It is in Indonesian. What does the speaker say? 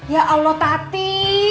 ya allah tati